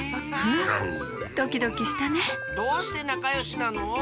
ドキドキしたねどうしてなかよしなの？